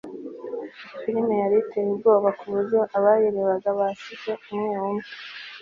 Filime yari iteye ubwoba kuburyo abayirebaga basize umwe umwe